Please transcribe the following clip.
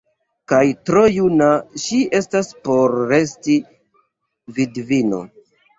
Kaj tro juna ŝi estas por resti vidvino!